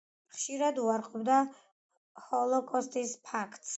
ხშირად უარყოფდა ჰოლოკოსტის ფაქტს.